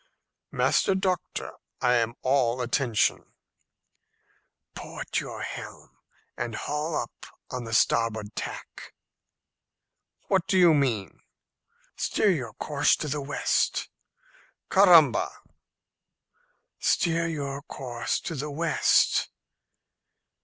"Master Doctor, I am all attention." "Port your helm, and haul up on the starboard tack." "What do you mean?" "Steer your course to the west." "Caramba!" "Steer your course to the west."